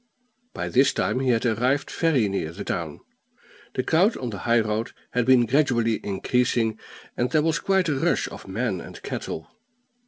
By this time he had arrived very near the town. The crowd on the high road had been gradually increasing, and there was quite a rush of men and cattle.